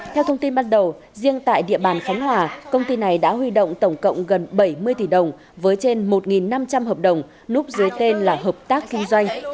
theo thông tin ban đầu riêng tại địa bàn khánh hòa công ty này đã huy động tổng cộng gần bảy mươi tỷ đồng với trên một năm trăm linh hợp đồng núp dưới tên là hợp tác kinh doanh